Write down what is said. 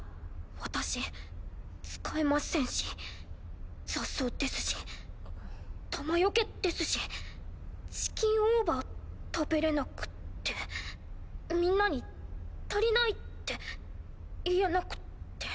私使えませんし雑草ですし弾よけですしチキンオーバー食べれなくってみんなに足りないって言えなくって。